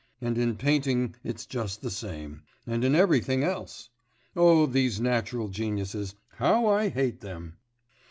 And in painting it's just the same, and in everything else. Oh, these natural geniuses, how I hate them!